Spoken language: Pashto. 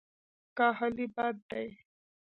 کاهلي بد دی.